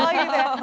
oh gitu ya